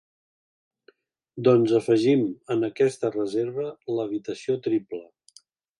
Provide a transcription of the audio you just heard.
Doncs afegim en aquesta reserva l'habitació triple.